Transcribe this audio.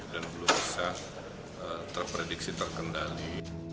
dan belum bisa terprediksi terkendali